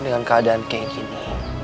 dengan keadaan kayak gini